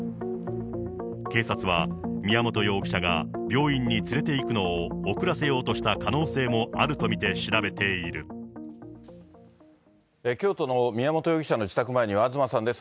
警察は、宮本容疑者が病院に連れていくのを遅らせようとした可能性もある京都の宮本容疑者の自宅前には東さんです。